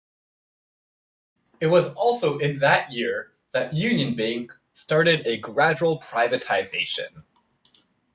It was also in that year that UnionBank started a gradual privatization.